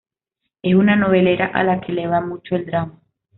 Es una novelera a la que le va mucho el drama